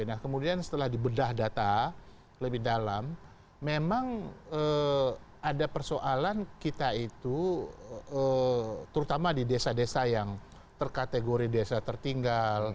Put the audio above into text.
nah kemudian setelah dibedah data lebih dalam memang ada persoalan kita itu terutama di desa desa yang terkategori desa tertinggal